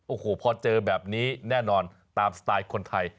โอ้โหพอเจอแบบนี้แน่นอนตามสไตล์คนไทย